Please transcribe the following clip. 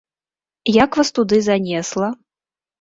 Як вас туды занесла?